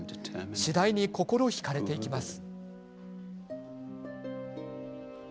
次第に心ひかれていきます。